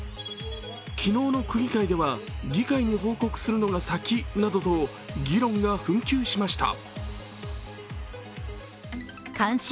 昨日の区議会では、議会に報告するのが先などと議論が紛糾しました。